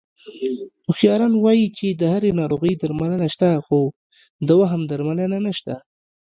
هوښیاران وایي چې د هرې ناروغۍ درملنه شته، خو د وهم درملنه نشته...